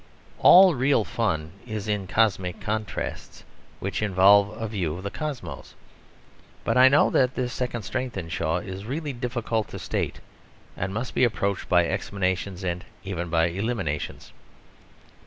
All real fun is in cosmic contrasts, which involve a view of the cosmos. But I know that this second strength in Shaw is really difficult to state and must be approached by explanations and even by eliminations.